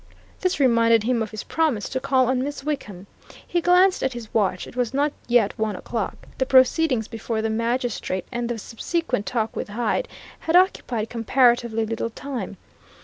This reminded him of his promise to call on Miss Wickham. He glanced at his watch: it was not yet one o'clock: the proceedings before the magistrate and the subsequent talk with Hyde had occupied comparatively little time.